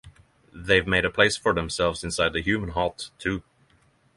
They’ve made a place for themselves inside the human heart, too.